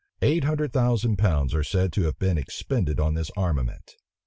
Eight hundred thousand pounds are said to have been expended on this armament.